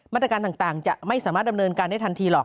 มาตรการต่างจะไม่สามารถดำเนินการได้ทันทีหรอก